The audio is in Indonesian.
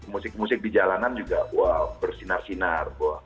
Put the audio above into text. musik musik di jalanan juga wah bersinar sinar